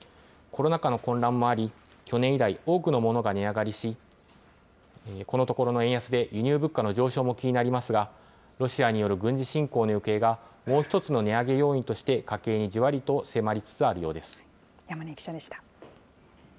コロナ禍の混乱もあり、去年以来、多くのものが値上がりし、このところの円安で輸入物価の上昇も気になりますが、ロシアによる軍事侵攻の行方が、もう一つの値上げ要因として家計山根記者でした。